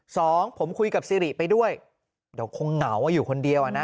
สองผมคุยกับซิริไปด้วยเดี๋ยวคงเหงาอยู่คนเดียวอ่ะนะ